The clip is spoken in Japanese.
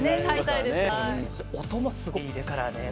音もすごいですからね。